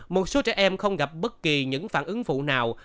một số trẻ em không gặp bất kỳ những phản ứng phụ nào